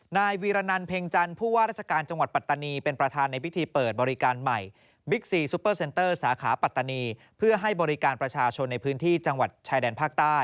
นายวีรณันเพ็งจันผู้ว่าราชการจังหวัดปัตตานีเป็นประธานในวิธีเปิดบริการใหม่